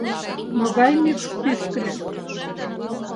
Могай мӱкш пӱшкыльӧ?